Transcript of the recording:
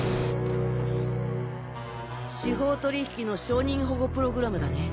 司法取引の証人保護プログラムだね。